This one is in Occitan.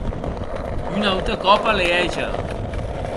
Un aute còp a liéger!